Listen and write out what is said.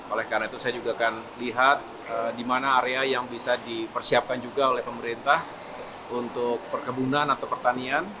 oleh karena itu saya juga akan lihat di mana area yang bisa dipersiapkan juga oleh pemerintah untuk perkebunan atau pertanian